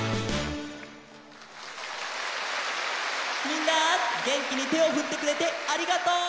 みんなげんきにてをふってくれてありがとう！